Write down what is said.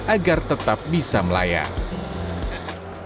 agar tetap bisa melayang